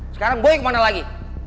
sekarang boy ke mana lagi